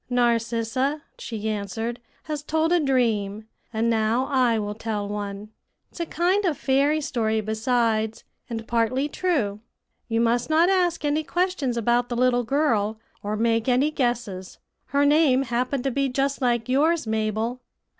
"Narcissa," she answered, "has told a dream, and now I will tell one. It's a kind of fairy story besides, and partly true. You must not ask any questions about the little girl, or make any guesses. Her name happened to be just like yours, Mabel."